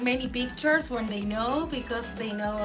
saya pikir mereka mengambil banyak gambar ketika mereka tahu